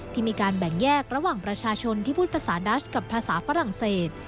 ที่มีการแบ่งแยกระหว่างประชาชนที่พูดภาษาดัชกับภาษาฝรั่งเศส